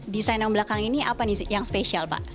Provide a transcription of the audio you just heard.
desain yang belakang ini apa nih yang spesial pak